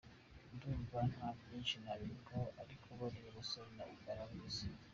Ndumva nta byinshi nabivugaho ariko bariya basore barabizi.